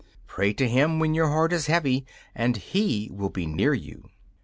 Pray to Him when your heart is heavy, and He will be near you.